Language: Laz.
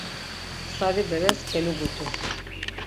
Sari beres kelugutu.